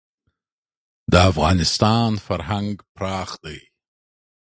د افغانستان فرهنګ پراخ دی.